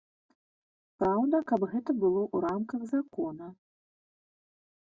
Праўда, каб гэта было ў рамках закона.